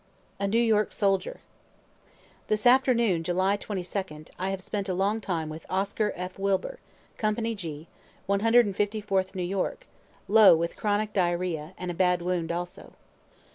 A NEW YORK SOLDIER This afternoon, July 22d, I have spent a long time with Oscar F. Wilber, company G, 154th New York, low with chronic diarrhoea, and a bad wound also.